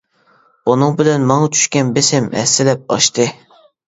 بۇنىڭ بىلەن ماڭا چۈشكەن بېسىم ھەسسىلەپ ئاشتى.